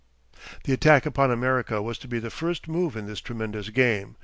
The attack upon America was to be the first move in this tremendous game.